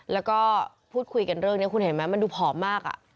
แล้วก็คุยเรื่องนี้คุณเห็นมั้ยมันหยุดผอมมาก